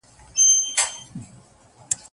لار به څرنګه مهار سي د پېړیو د خونیانو